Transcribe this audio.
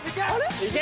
いけ！